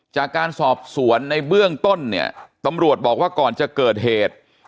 จากการสอบสวนในเบื้องต้นเนี่ยตำรวจบอกว่าก่อนจะเกิดเหตุ